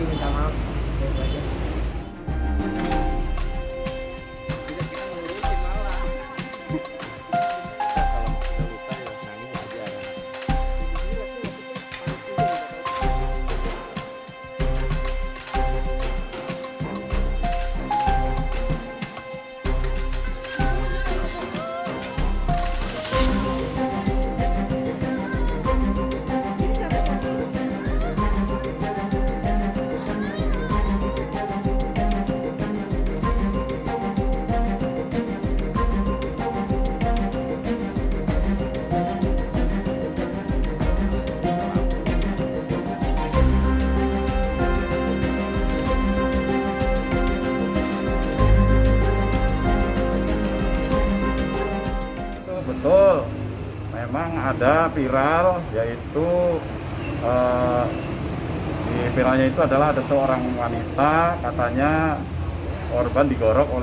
ibu ingat air usok